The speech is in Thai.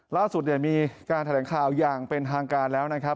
ล่าสุดมีการแถลงข่าวอย่างเป็นทางการแล้วนะครับ